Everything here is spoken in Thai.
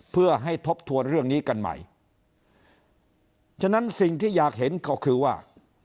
เพื่อให้ทบทวนเรื่องนี้กันใหม่ฉะนั้นสิ่งที่อยากเห็นก็คือว่า